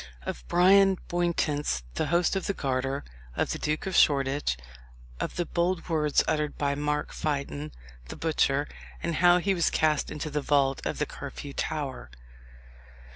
Of Bryan Bowntance, the Host of the Garter Of the Duke of Shoreditch Of the Bold Words uttered by Mark Fytton, the Butcher, and how he was cast into the Vault of the Curfew Tower.